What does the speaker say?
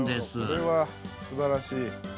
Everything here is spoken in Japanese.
それはすばらしい。